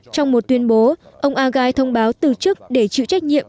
trong một tuyên bố ông agay thông báo từ chức để chịu trách nhiệm